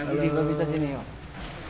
ini mbak binsa sini pak